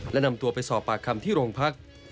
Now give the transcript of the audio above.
และนำตัวไปสอบปากคำที่โรงพัก